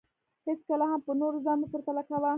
هېڅکله هم په نورو ځان مه پرتله کوه